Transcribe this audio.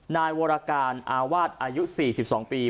นายวรการอาวาสอายุ๔๒ปี